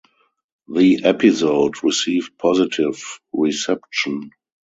The episode received positive reception.